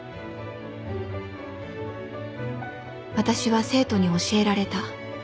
私は生徒に教えられた